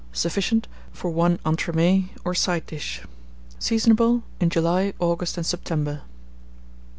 Sufficient for 1 entremets or side dish. Seasonable in July, August, and September.